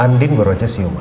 andin beruatnya siuman